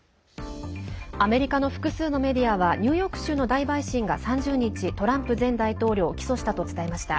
アメリカの複数のメディアはニューヨーク州の大陪審が３０日トランプ前大統領を起訴したと伝えました。